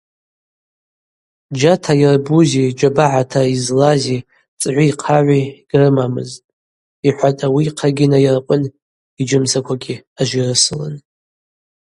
Джьата йырбузи джьабагӏата йызлази цӏгӏви хъагӏви гьрымамызтӏ, – йхӏватӏ ауи йхъагьи найыркъвын, йыджьымсаквагьи ажвирысылын.